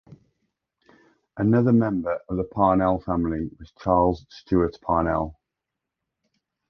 Another member of the Parnell family was Charles Stewart Parnell.